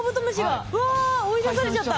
うわ追い出されちゃった。